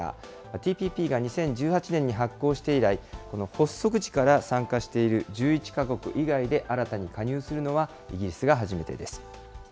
ＴＰＰが２０１８年に発効して以来、この発足時から参加している１１か国以外で新たに加入するのはイギリスが初めてです。